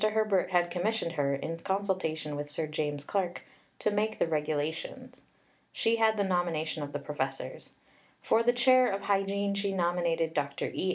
Herbert had commissioned her, in consultation with Sir James Clark, to make the Regulations. She had the nomination of the professors. For the chair of Hygiene she nominated Dr. E.